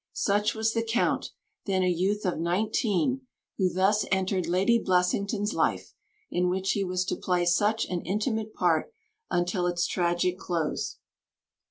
Such was the Count, then a youth of nineteen, who thus entered Lady Blessington's life, in which he was to play such an intimate part until its tragic close.